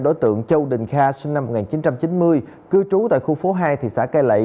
đối tượng châu đình kha sinh năm một nghìn chín trăm chín mươi cư trú tại khu phố hai thị xã cai lậy